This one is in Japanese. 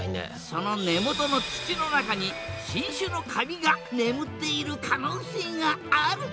その根元の土の中に新種のカビが眠っている可能性がある！？